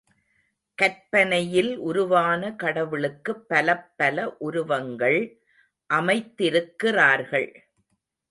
கற்பனையில் உருவான கடவுளுக்குப் பலப்பல உருவங்கள் அமைத்திருக்கிறார்கள்.